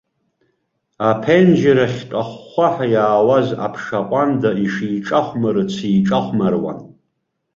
Аԥенџьырахьтә ахәхәаҳәа иаауаз аԥша ҟәанда ишиҿахәмарыц иҿахәмаруан.